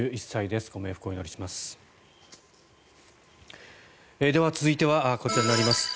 では、続いてはこちらになります。